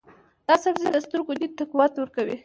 دا سبزی د سترګو دید ته قوت ورکوي.